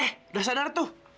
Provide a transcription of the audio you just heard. eh dasar itu